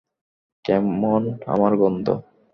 কেমন আমার গন্ধ?